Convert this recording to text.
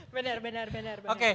benar benar benar